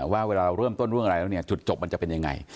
ว่าเวลาเราเริ่มต้นเรื่องอะไรแล้วเนี่ยจุดจบมันจะเป็นยังไง